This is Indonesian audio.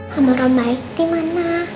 kameram baik dimana